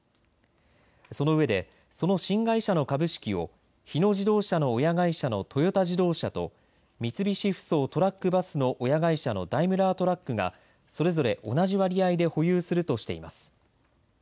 そのうえで、その新会社の株式を日野自動車の親会社のトヨタ自動車と三菱ふそうトラック・バスの親会社のダイムラートラックがそれぞれ同じ割合で保有するとしています。